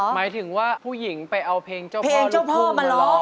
หมายถึงว่าผู้หญิงไปเอาเพลงเจ้าพ่อเจ้าพ่อมาร้อง